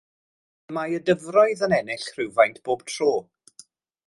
Y mae y dyfroedd yn ennill rhywfaint bob tro.